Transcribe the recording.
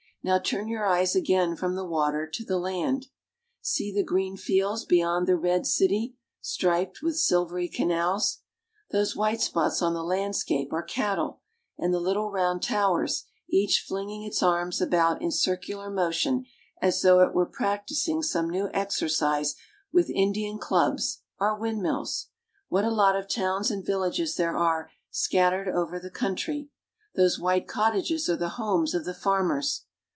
Now turn your eyes again from the water to the land. See the green fields beyond the red city, striped with silvery canals. Those white spots on the landscape are cat tle, and the little round towers, each flinging its arms about in cir cular motion as though it were practicing some new exercise with Indian clubs, are windmills. What a 9$ Z lot of towns and vil \^ lages there are scattered ~^i over the country — those % white cottages are the homes of the farmers.